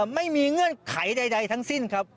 เงื่อนไขใดทั้งสิ้นครับ